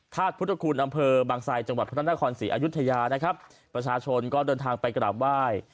พุทธคุณอำเภอบางไซจังหวัดพระนครศรีอายุทยานะครับประชาชนก็เดินทางไปกราบไหว้